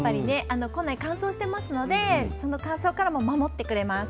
庫内は乾燥していますのでその乾燥からも守ってくれます。